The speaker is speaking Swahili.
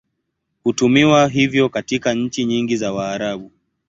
Hutumiwa hivyo katika nchi nyingi za Waarabu.